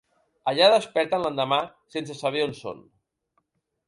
Allà desperten l'endemà sense saber on són.